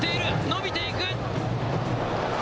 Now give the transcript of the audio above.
伸びていく。